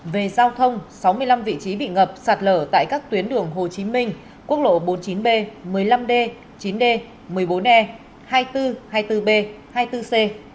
về giao thông sáu mươi năm vị trí bị ngập sạt lở tại các tuyến đường hồ chí minh quốc lộ bốn mươi chín b một mươi năm d chín d một mươi bốn e hai nghìn bốn trăm hai mươi bốn b hai mươi bốn c